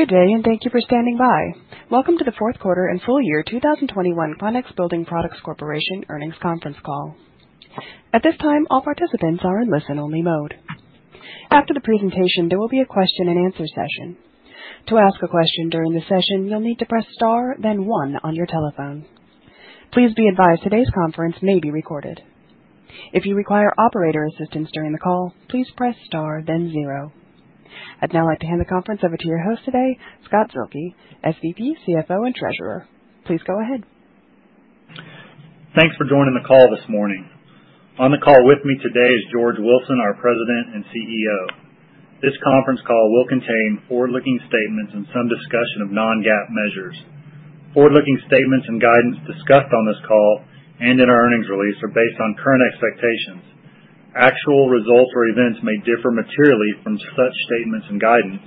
Good day, and thank you for standing by. Welcome to the fourth quarter and full year 2021 Quanex Building Products Corporation earnings conference call. At this time, all participants are in listen-only mode. After the presentation, there will be a question-and-answer session. To ask a question during the session, you'll need to Press Star, then one on your telephone. Please be advised today's conference may be recorded. If you require operator assistance during the call, please Press Star, then zero. I'd now like to hand the conference over to your host today, Scott Zuehlke, SVP, CFO and Treasurer. Please go ahead. Thanks for joining the call this morning. On the call with me today is George Wilson, our President and CEO. This conference call will contain forward-looking statements and some discussion of non-GAAP measures. Forward-looking statements and guidance discussed on this call and in our earnings release are based on current expectations. Actual results or events may differ materially from such statements and guidance,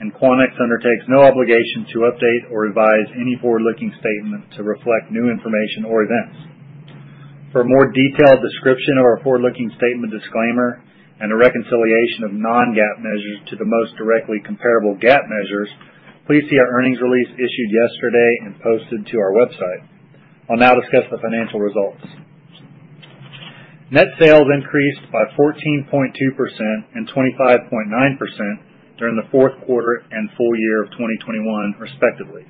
and Quanex undertakes no obligation to update or revise any forward-looking statements to reflect new information or events. For a more detailed description of our forward-looking statement disclaimer and a reconciliation of non-GAAP measures to the most directly comparable GAAP measures, please see our earnings release issued yesterday and posted to our website. I'll now discuss the financial results. Net sales increased by 14.2% and 25.9% during the fourth quarter and full year of 2021, respectively.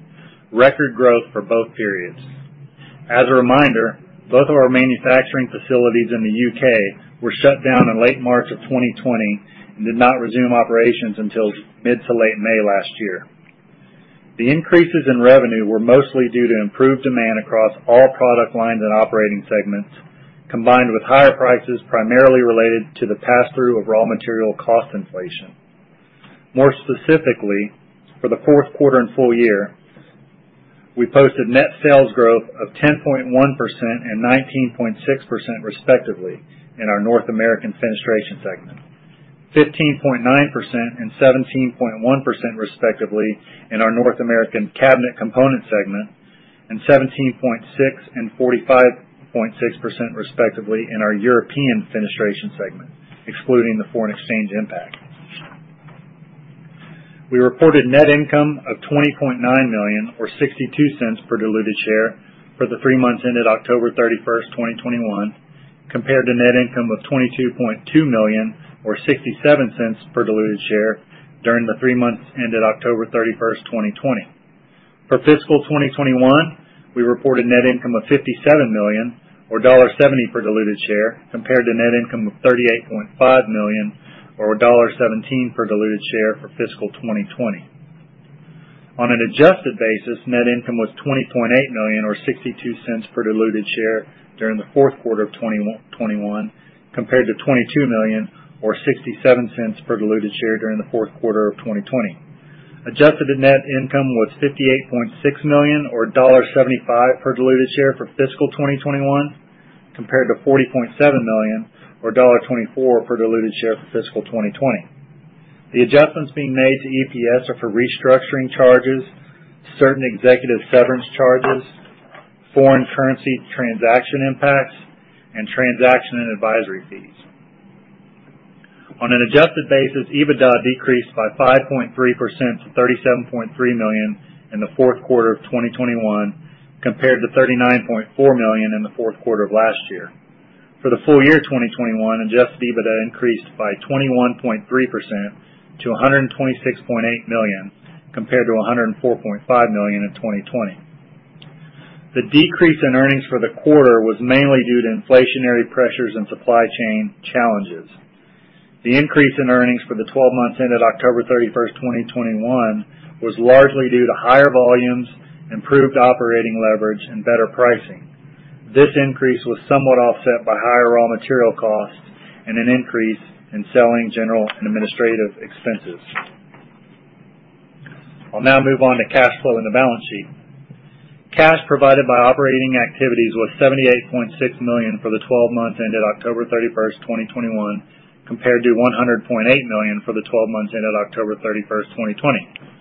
Record growth for both periods. As a reminder, both of our manufacturing facilities in the U.K. were shut down in late March of 2020 and did not resume operations until mid to late May last year. The increases in revenue were mostly due to improved demand across all product lines and operating segments, combined with higher prices, primarily related to the pass-through of raw material cost inflation. More specifically, for the fourth quarter and full year, we posted net sales growth of 10.1% and 19.6%, respectively, in our North American Fenestration segment. 15.9% and 17.1%, respectively, in our North American Cabinet Components segment, and 17.6% and 45.6%, respectively, in our European Fenestration segment, excluding the foreign exchange impact. We reported net income of $20.9 million or $0.62 per diluted share for the three months ended October 31, 2021, compared to net income of $22.2 million or $0.67 per diluted share during the three months ended October 31, 2020. For fiscal 2021, we reported net income of $57 million or $1.70 per diluted share, compared to net income of $38.5 million or $1.17 per diluted share for fiscal 2020. On an adjusted basis, net income was $20.8 million or $0.62 per diluted share during the fourth quarter of 2021, compared to $22 million or $0.67 per diluted share during the fourth quarter of 2020. Adjusted net income was $58.6 million or $1.75 per diluted share for fiscal 2021, compared to $40.7 million or $1.24 per diluted share for fiscal 2020. The adjustments being made to EPS are for restructuring charges, certain executive severance charges, foreign currency transaction impacts, and transaction and advisory fees. On an adjusted basis, EBITDA decreased by 5.3% to $37.3 million in the fourth quarter of 2021, compared to $39.4 million in the fourth quarter of last year. For the full year 2021, adjusted EBITDA increased by 21.3% to $126.8 million, compared to $104.5 million in 2020. The decrease in earnings for the quarter was mainly due to inflationary pressures and supply chain challenges. The increase in earnings for the twelve months ended October 31, 2021, was largely due to higher volumes, improved operating leverage, and better pricing. This increase was somewhat offset by higher raw material costs and an increase in selling, general, and administrative expenses. I'll now move on to cash flow and the balance sheet. Cash provided by operating activities was $78.6 million for the twelve months ended October 31, 2021, compared to $100.8 million for the twelve months ended October 31, 2020.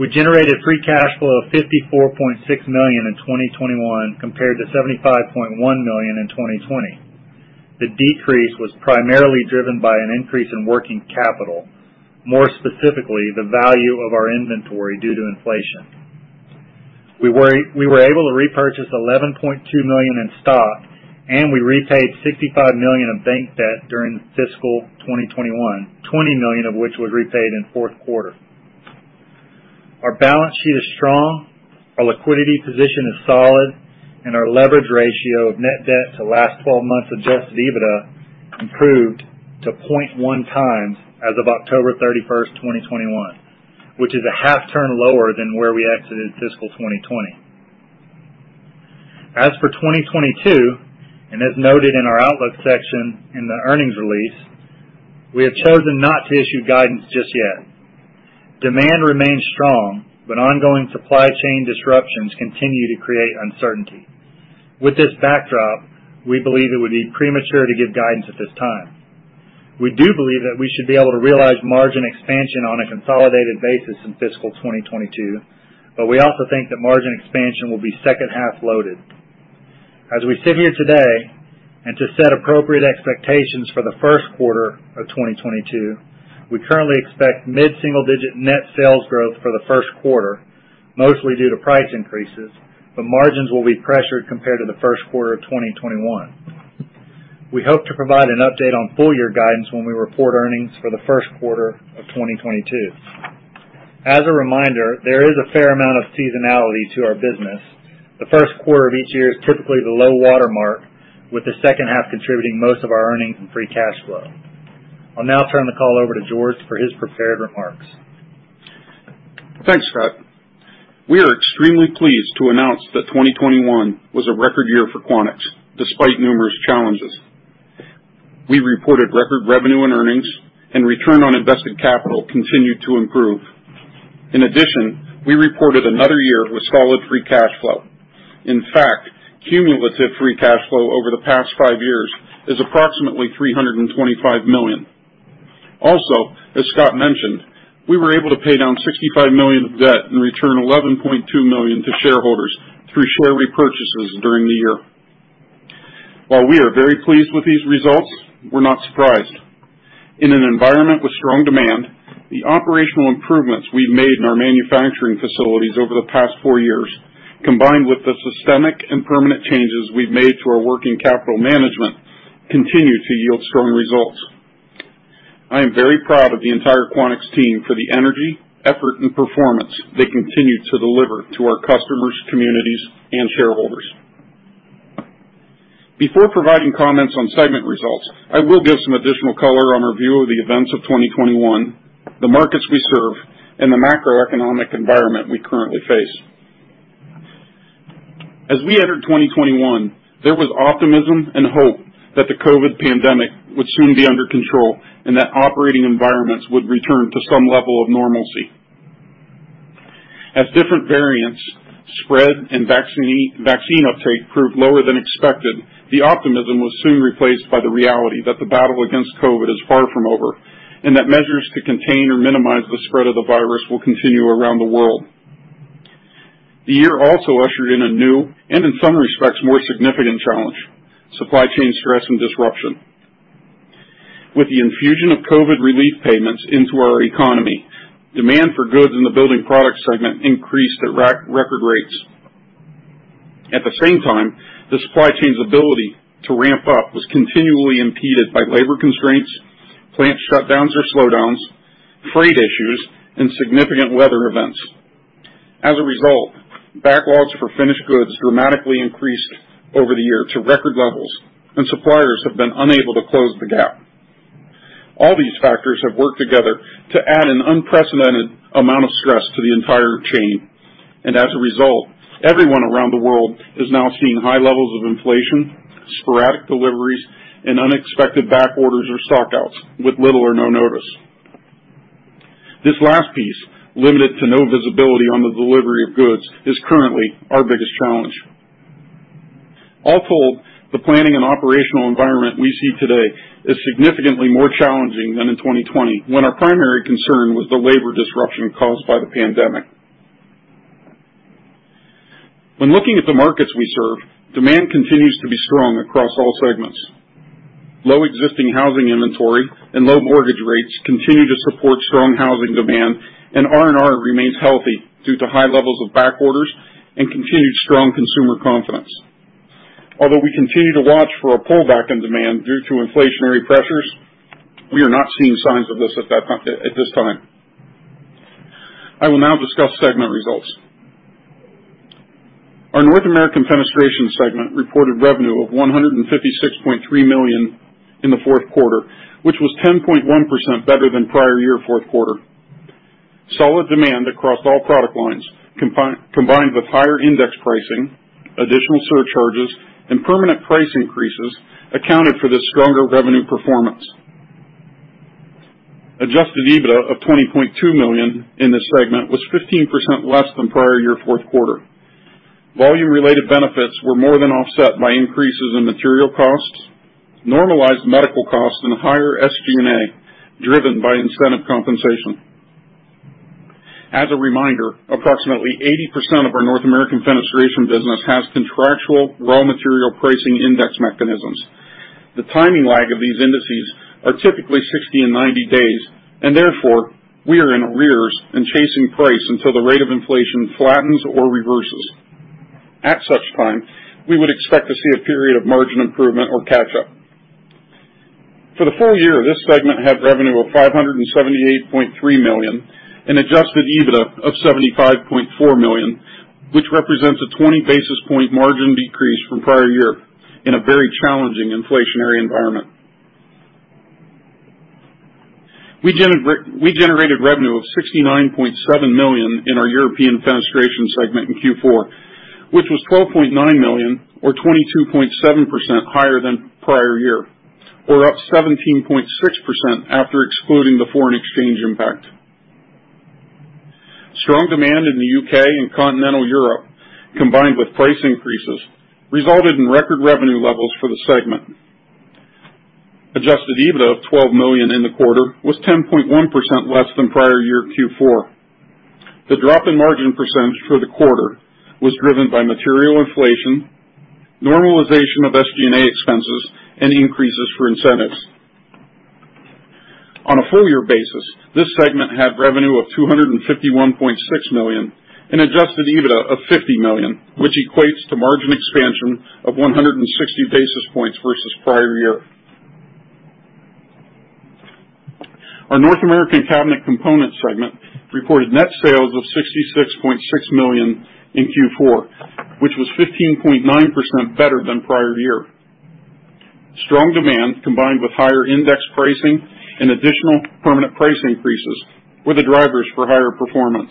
We generated free cash flow of $54.6 million in 2021 compared to $75.1 million in 2020. The decrease was primarily driven by an increase in working capital, more specifically, the value of our inventory due to inflation. We were able to repurchase $11.2 million in stock, and we repaid $65 million of bank debt during fiscal 2021, $20 million of which was repaid in fourth quarter. Our balance sheet is strong, our liquidity position is solid, and our leverage ratio of net debt to last twelve months adjusted EBITDA improved to 0.1x as of October 31, 2021, which is a half turn lower than where we exited fiscal 2020. As for 2022, and as noted in our outlook section in the earnings release, we have chosen not to issue guidance just yet. Demand remains strong, but ongoing supply chain disruptions continue to create uncertainty. With this backdrop, we believe it would be premature to give guidance at this time. We do believe that we should be able to realize margin expansion on a consolidated basis in fiscal 2022, but we also think that margin expansion will be H2 loaded. As we sit here today and to set appropriate expectations for the first quarter of 2022, we currently expect mid-single-digit net sales growth for the first quarter, mostly due to price increases, but margins will be pressured compared to the first quarter of 2021. We hope to provide an update on full year guidance when we report earnings for the first quarter of 2022. As a reminder, there is a fair amount of seasonality to our business. The first quarter of each year is typically the low water mark, with the H2 contributing most of our earnings and free cash flow. I'll now turn the call over to George for his prepared remarks. Thanks, Scott. We are extremely pleased to announce that 2021 was a record year for Quanex despite numerous challenges. We reported record revenue and earnings and return on invested capital continued to improve. In addition, we reported another year with solid free cash flow. In fact, cumulative free cash flow over the past five years is approximately $325 million. Also, as Scott mentioned, we were able to pay down $65 million of debt and return $11.2 million to shareholders through share repurchases during the year. While we are very pleased with these results, we're not surprised. In an environment with strong demand, the operational improvements we've made in our manufacturing facilities over the past four years, combined with the systemic and permanent changes we've made to our working capital management, continue to yield strong results. I am very proud of the entire Quanex team for the energy, effort, and performance they continue to deliver to our customers, communities, and shareholders. Before providing comments on segment results, I will give some additional color on review of the events of 2021, the markets we serve, and the macroeconomic environment we currently face. As we entered 2021, there was optimism and hope that the COVID pandemic would soon be under control and that operating environments would return to some level of normalcy. As different variants spread and vaccine uptake proved lower than expected, the optimism was soon replaced by the reality that the battle against COVID is far from over, and that measures to contain or minimize the spread of the virus will continue around the world. The year also ushered in a new and in some respects, more significant challenge, supply chain stress and disruption. With the infusion of COVID relief payments into our economy, demand for goods in the building product segment increased at record rates. At the same time, the supply chain's ability to ramp up was continually impeded by labor constraints, plant shutdowns or slowdowns, freight issues, and significant weather events. As a result, backlogs for finished goods dramatically increased over the year to record levels, and suppliers have been unable to close the gap. All these factors have worked together to add an unprecedented amount of stress to the entire chain. As a result, everyone around the world is now seeing high levels of inflation, sporadic deliveries, and unexpected back orders or stock outs with little or no notice. This last piece, limited or no visibility on the delivery of goods, is currently our biggest challenge. All told, the planning and operational environment we see today is significantly more challenging than in 2020, when our primary concern was the labor disruption caused by the pandemic. When looking at the markets we serve, demand continues to be strong across all segments. Low existing housing inventory and low mortgage rates continue to support strong housing demand, and R&R remains healthy due to high levels of back orders and continued strong consumer confidence. Although we continue to watch for a pullback in demand due to inflationary pressures, we are not seeing signs of this at this time. I will now discuss segment results. Our North American Fenestration segment reported revenue of $156.3 million in the fourth quarter, which was 10.1% better than prior year fourth quarter. Solid demand across all product lines combined with higher index pricing, additional surcharges, and permanent price increases accounted for the stronger revenue performance. Adjusted EBITDA of $20.2 million in this segment was 15% less than prior year fourth quarter. Volume-related benefits were more than offset by increases in material costs, normalized medical costs, and higher SG&A, driven by incentive compensation. As a reminder, approximately 80% of our North American Fenestration business has contractual raw material pricing index mechanisms. The timing lag of these indices are typically 60 and 90 days, and therefore, we are in arrears and chasing price until the rate of inflation flattens or reverses. At such time, we would expect to see a period of margin improvement or catch up. For the full year, this segment had revenue of $578.3 million and adjusted EBITDA of $75.4 million, which represents a 20 basis point margin decrease from prior year in a very challenging inflationary environment. We generated revenue of $69.7 million in our European Fenestration segment in Q4, which was $12.9 million or 22.7% higher than prior year or up 17.6% after excluding the foreign exchange impact. Strong demand in the UK and continental Europe, combined with price increases, resulted in record revenue levels for the segment. Adjusted EBITDA of $12 million in the quarter was 10.1% less than prior year Q4. The drop in margin percentage for the quarter was driven by material inflation, normalization of SG&A expenses, and increases for incentives. On a full year basis, this segment had revenue of $251.6 million and adjusted EBITDA of $50 million, which equates to margin expansion of 160 basis points versus prior year. Our North American Cabinet Components segment reported net sales of $66.6 million in Q4, which was 15.9% better than prior year. Strong demand, combined with higher index pricing and additional permanent price increases, were the drivers for higher performance.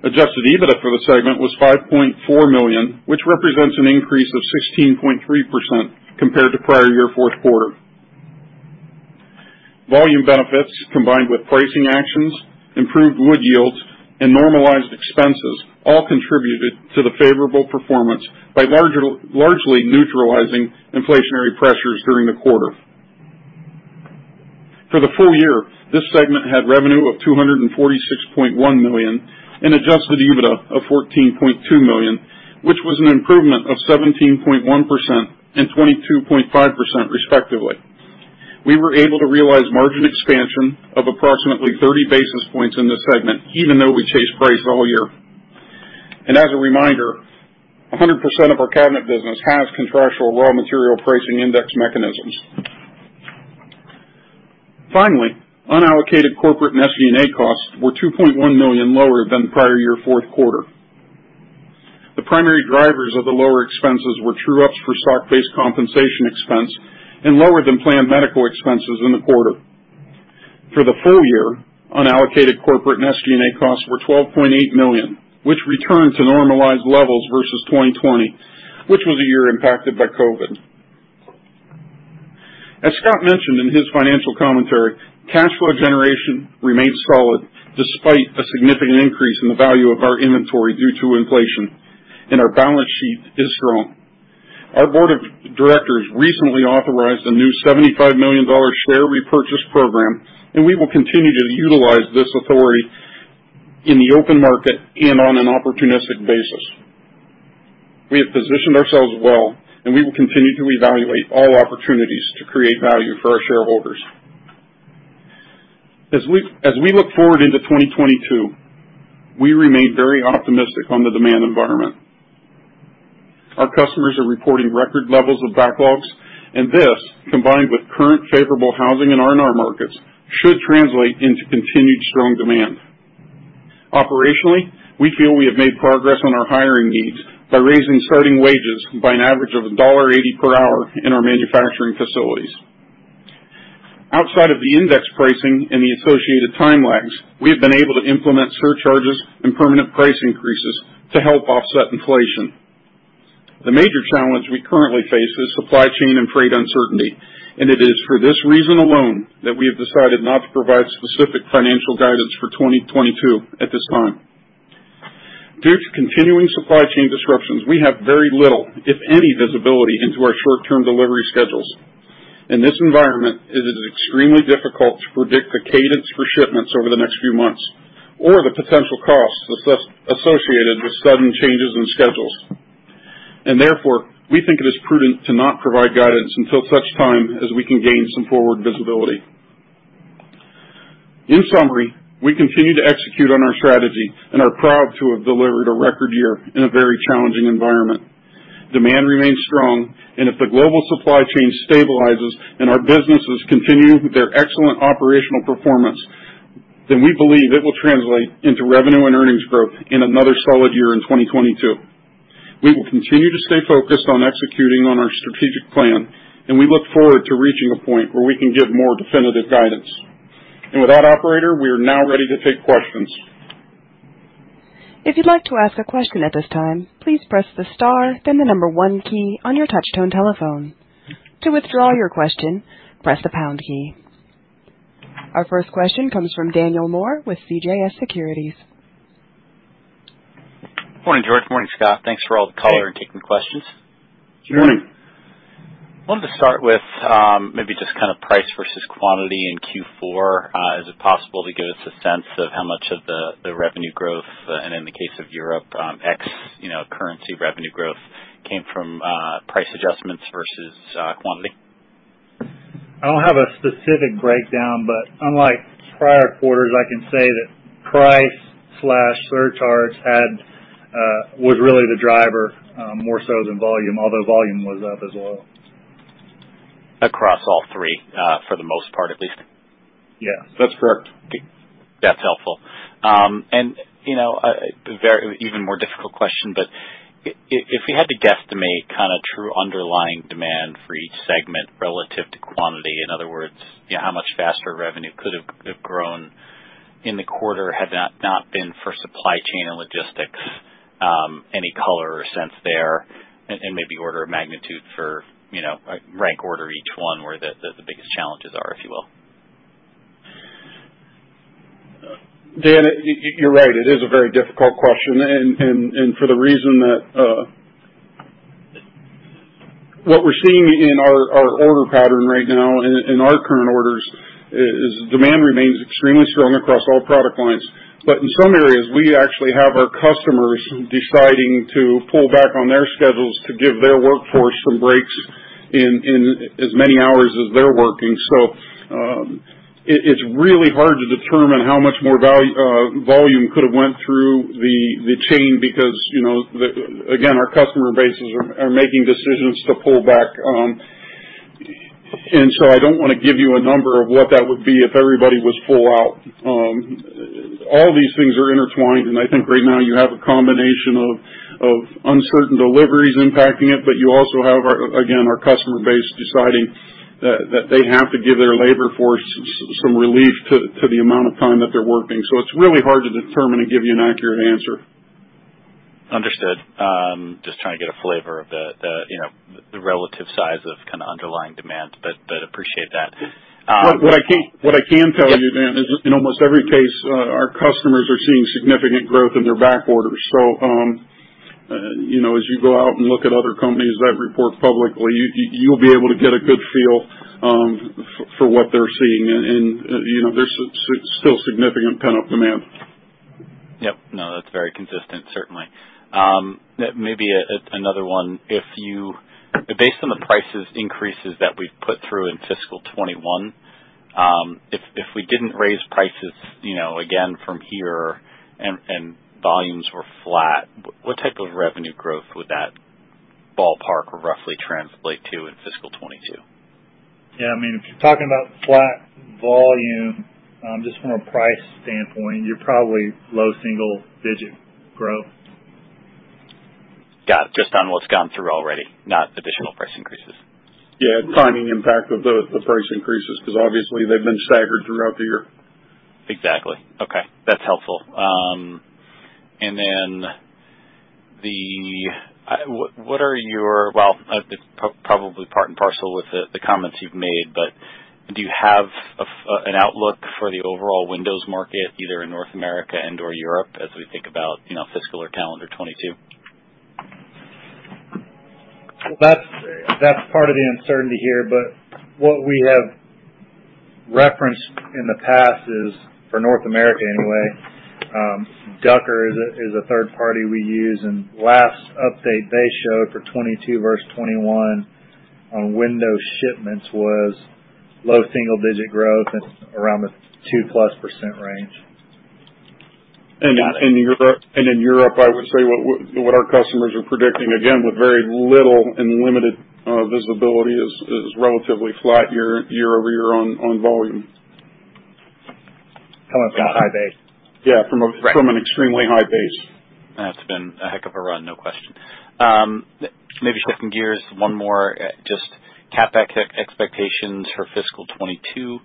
Adjusted EBITDA for the segment was $5.4 million, which represents an increase of 16.3% compared to prior year fourth quarter. Volume benefits combined with pricing actions, improved wood yields, and normalized expenses all contributed to the favorable performance by largely neutralizing inflationary pressures during the quarter. For the full year, this segment had revenue of $246.1 million and adjusted EBITDA of $14.2 million, which was an improvement of 17.1% and 22.5% respectively. We were able to realize margin expansion of approximately 30 basis points in this segment, even though we chased price all year. As a reminder, 100% of our cabinet business has contractual raw material pricing index mechanisms. Finally, unallocated corporate and SG&A costs were $2.1 million lower than prior year fourth quarter. The primary drivers of the lower expenses were true ups for stock-based compensation expense and lower than planned medical expenses in the quarter. For the full year, unallocated corporate and SG&A costs were $12.8 million, which returned to normalized levels versus 2020, which was a year impacted by COVID. As Scott mentioned in his financial commentary, cash flow generation remains solid despite a significant increase in the value of our inventory due to inflation, and our balance sheet is strong. Our board of directors recently authorized a new $75 million share repurchase program, and we will continue to utilize this authority in the open market and on an opportunistic basis. We have positioned ourselves well, and we will continue to evaluate all opportunities to create value for our shareholders. As we look forward into 2022, we remain very optimistic on the demand environment. Our customers are reporting record levels of backlogs, and this, combined with current favorable housing and R&R markets, should translate into continued strong demand. Operationally, we feel we have made progress on our hiring needs by raising starting wages by an average of $1.80 per hour in our manufacturing facilities. Outside of the index pricing and the associated time lags, we have been able to implement surcharges and permanent price increases to help offset inflation. The major challenge we currently face is supply chain and freight uncertainty, and it is for this reason alone that we have decided not to provide specific financial guidance for 2022 at this time. Due to continuing supply chain disruptions, we have very little, if any, visibility into our short-term delivery schedules. In this environment, it is extremely difficult to predict the cadence for shipments over the next few months or the potential costs associated with sudden changes in schedules. Therefore, we think it is prudent to not provide guidance until such time as we can gain some forward visibility. In summary, we continue to execute on our strategy and are proud to have delivered a record year in a very challenging environment. Demand remains strong, and if the global supply chain stabilizes and our businesses continue their excellent operational performance, then we believe it will translate into revenue and earnings growth in another solid year in 2022. We will continue to stay focused on executing on our strategic plan, and we look forward to reaching a point where we can give more definitive guidance. With that, operator, we are now ready to take questions. If you'd like to ask a question at this time, please press the star then the number one key on your touch-tone telephone. To withdraw your question, press the pound key. Our first question comes from Daniel Moore with CJS Securities. Morning, George. Morning, Scott. Thanks for all the color and taking questions. Good morning. wanted to start with maybe just kind of price versus quantity in Q4. Is it possible to give us a sense of how much of the revenue growth and in the case of Europe ex you know currency revenue growth came from price adjustments versus quantity? I don't have a specific breakdown, but unlike prior quarters, I can say that price slash surcharges was really the driver, more so than volume. Although volume was up as well. Across all three, for the most part, at least? Yeah, that's correct. That's helpful. You know, very, even more difficult question, but if you had to guesstimate kind of true underlying demand for each segment relative to quantity, in other words, you know, how much faster revenue could have grown in the quarter had that not been for supply chain and logistics, any color or sense there and maybe order of magnitude for, you know, rank order each one where the biggest challenges are, if you will? Dan, you're right. It is a very difficult question and for the reason that what we're seeing in our order pattern right now in our current orders is demand remains extremely strong across all product lines. In some areas, we actually have our customers deciding to pull back on their schedules to give their workforce some breaks in as many hours as they're working. It's really hard to determine how much more volume could have went through the chain because, you know, again, our customer bases are making decisions to pull back. I don't wanna give you a number of what that would be if everybody was full out. All these things are intertwined, and I think right now you have a combination of uncertain deliveries impacting it, but you also have our, again, our customer base deciding that they have to give their labor force some relief to the amount of time that they're working. It's really hard to determine and give you an accurate answer. Understood. Just trying to get a flavor of the you know, the relative size of kinda underlying demand, but appreciate that. What I can tell you, Dan, is in almost every case, our customers are seeing significant growth in their back orders. You know, as you go out and look at other companies that report publicly, you'll be able to get a good feel for what they're seeing. You know, there's still significant pent-up demand. Yep. No, that's very consistent, certainly. Maybe another one. Based on the price increases that we've put through in fiscal 2021, if we didn't raise prices, you know, again, from here and volumes were flat, what type of revenue growth would that ballpark roughly translate to in fiscal 2022? Yeah. I mean, if you're talking about flat volume, just from a price standpoint, you're probably low single-digit growth. Got it. Just on what's gone through already, not additional price increases. Yeah. Timing impact of the price increases, because obviously they've been staggered throughout the year. Exactly. Okay, that's helpful. It's probably part and parcel with the comments you've made, but do you have an outlook for the overall windows market, either in North America and/or Europe, as we think about, you know, fiscal or calendar 2022? That's part of the uncertainty here, but what we have referenced in the past is, for North America anyway, Ducker is a third party we use, and last update they showed for 2022 versus 2021 on window shipments was low single digit growth around the 2%+ range. In Europe, I would say what our customers are predicting, again, with very little and limited visibility, is relatively flat year-over-year on volume. Coming from a high base. Yeah, from a- Right. From an extremely high base. It's been a heck of a run, no question. Maybe shifting gears one more, just CapEx expectations for fiscal 2022.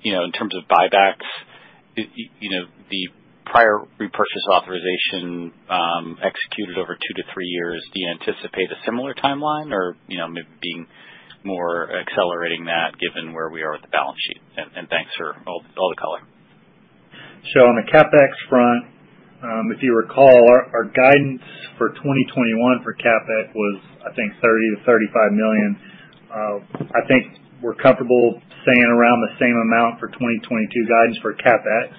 You know, in terms of buybacks, you know, the prior repurchase authorization, executed over 2 to 3 years, do you anticipate a similar timeline or, you know, maybe being more accelerating that given where we are with the balance sheet? Thanks for all the color. On the CapEx front, if you recall, our guidance for 2021 for CapEx was, I think, $30 million-$35 million. I think we're comfortable staying around the same amount for 2022 guidance for CapEx.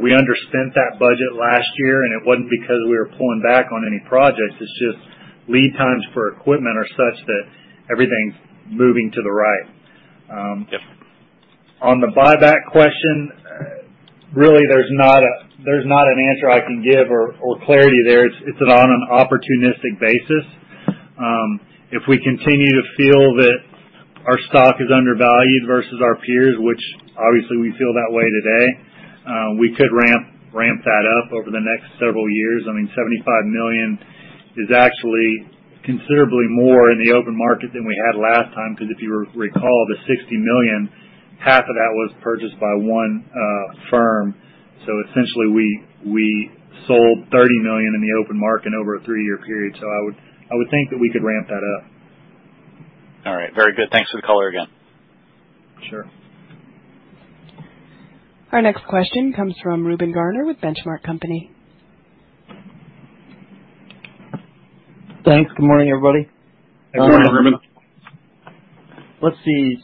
We underspent that budget last year, and it wasn't because we were pulling back on any projects. It's just lead times for equipment are such that everything's moving to the right. Yep. On the buyback question, really there's not an answer I can give or clarity there. It's on an opportunistic basis. If we continue to feel that our stock is undervalued versus our peers, which obviously we feel that way today, we could ramp that up over the next several years. I mean, $75 million is actually considerably more in the open market than we had last time, because if you recall, the $60 million, half of that was purchased by one firm. Essentially, we sold $30 million in the open market over a three-year period. I would think that we could ramp that up. All right. Very good. Thanks for the color again. Sure. Our next question comes from Reuben Garner with Benchmark Company. Thanks. Good morning, everybody. Good morning, Reuben. Let's see.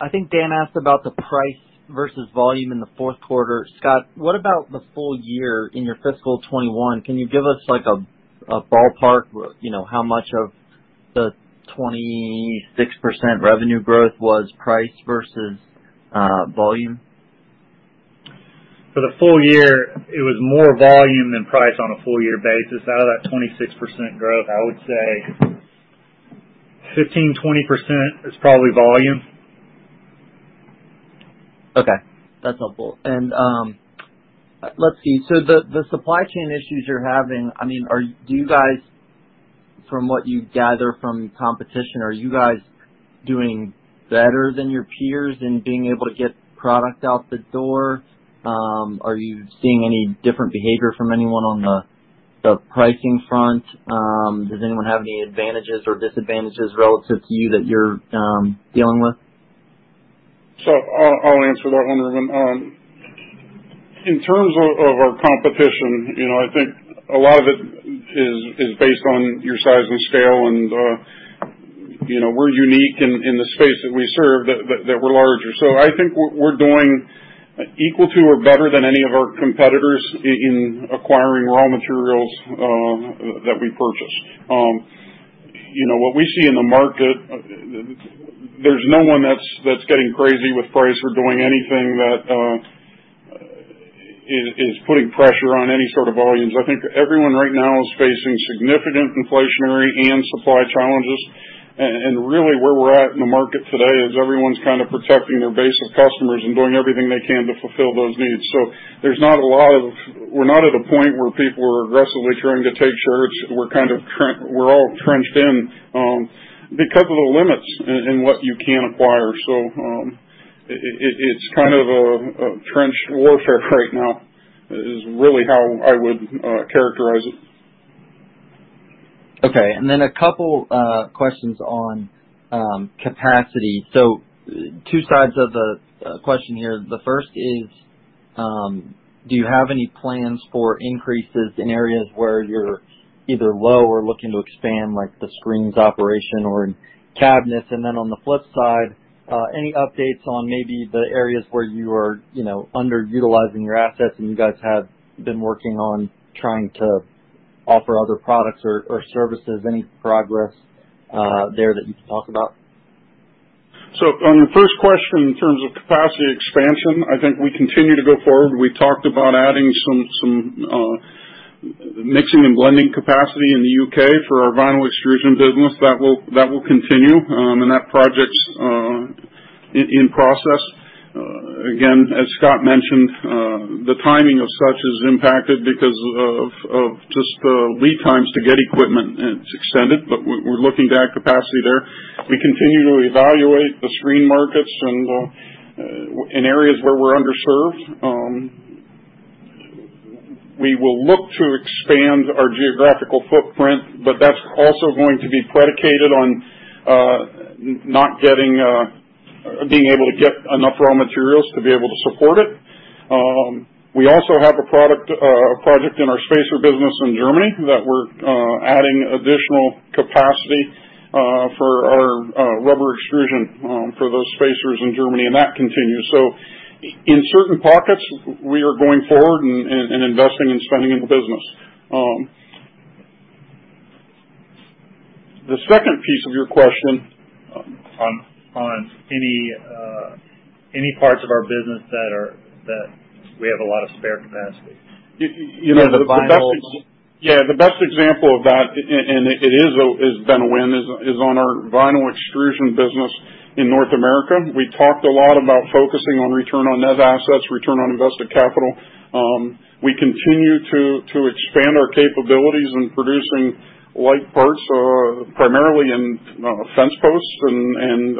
I think Dan asked about the price versus volume in the fourth quarter. Scott, what about the full year in your fiscal 2021? Can you give us like a ballpark, you know, how much of the 26% revenue growth was price versus volume? For the full year, it was more volume than price on a full year basis. Out of that 26% growth, I would say 15%-20% is probably volume. Okay, that's helpful. Let's see. The supply chain issues you're having, I mean, do you guys, from what you gather from competition, are you guys doing better than your peers in being able to get product out the door? Are you seeing any different behavior from anyone on the pricing front, does anyone have any advantages or disadvantages relative to you that you're dealing with? I'll answer that one, Reuben. In terms of our competition, you know, I think a lot of it is based on your size and scale and, you know, we're unique in the space that we serve that we're larger. I think we're doing equal to or better than any of our competitors in acquiring raw materials that we purchase. You know, what we see in the market, there's no one that's getting crazy with price or doing anything that is putting pressure on any sort of volumes. I think everyone right now is facing significant inflationary and supply challenges. Really where we're at in the market today is everyone's kind of protecting their base of customers and doing everything they can to fulfill those needs. There's not a lot of. We're not at a point where people are aggressively trying to take share. We're all trenched in because of the limits in what you can acquire. It's kind of a trench warfare right now is really how I would characterize it. Okay. A couple questions on capacity. Two sides of the question here. The first is, do you have any plans for increases in areas where you're either low or looking to expand, like the screens operation or in cabinets? On the flip side, any updates on maybe the areas where you are, you know, underutilising your assets and you guys have been working on trying to offer other products or services? Any progress there that you can talk about? On the first question, in terms of capacity expansion, I think we continue to go forward. We talked about adding some mixing and blending capacity in the U.K. for our vinyl extrusion business. That will continue. That project's in process. Again, as Scott mentioned, the timing of such is impacted because of just the lead times to get equipment. It's extended, but we're looking to add capacity there. We continue to evaluate the screen markets and in areas where we're underserved. We will look to expand our geographical footprint, but that's also going to be predicated on being able to get enough raw materials to be able to support it. We also have a project in our spacer business in Germany that we're adding additional capacity for our rubber extrusion for those spacers in Germany, and that continues. In certain pockets, we are going forward and investing and spending in the business. The second piece of your question- On any parts of our business that we have a lot of spare capacity. You know, the best ex- The vinyl- Yeah, the best example of that is Reuben Garner on our vinyl extrusion business in North America. We talked a lot about focusing on return on net assets, return on invested capital. We continue to expand our capabilities in producing light parts, primarily in fence posts and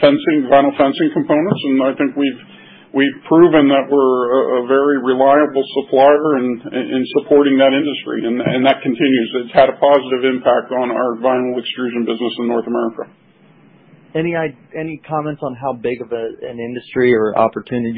fencing, vinyl fencing components. I think we've proven that we're a very reliable supplier in supporting that industry, and that continues. It's had a positive impact on our vinyl extrusion business in North America. Any comments on how big of an industry or opportunity that is?